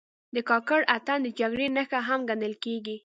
د کاکړ اتن د جګړې نښه هم ګڼل کېږي.